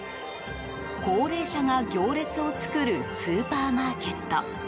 高齢者が行列を作るスーパーマーケット。